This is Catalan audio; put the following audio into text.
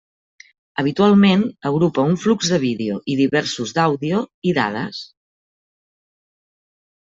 Habitualment, agrupa un flux de vídeo i diversos d'àudio i dades.